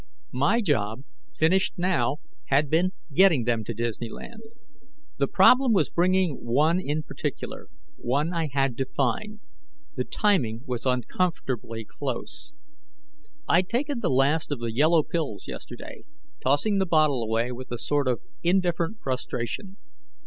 _ My job, finished now, had been getting them to Disneyland. The problem was bringing one in particular one I had to find. The timing was uncomfortably close. I'd taken the last of the yellow pills yesterday, tossing the bottle away with a sort of indifferent frustration.